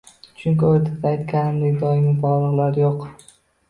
Chunki oʻrtada aytganimdek doimiy bogʻliqlik yoʻq.